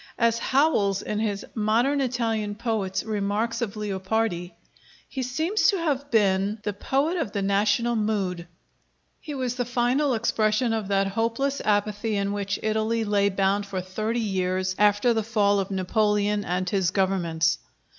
As Howells in his 'Modern Italian Poets' remarks of Leopardi: "He seems to have been the poet of the national mood; he was the final expression of that hopeless apathy in which Italy lay bound for thirty years after the fall of Napoleon and his governments."